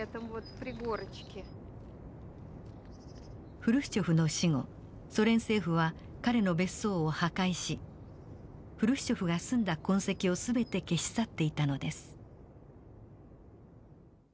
フルシチョフの死後ソ連政府は彼の別荘を破壊しフルシチョフが住んだ痕跡を全て消し去っていたのです。